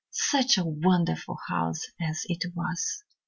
Such a wonderful house as it was!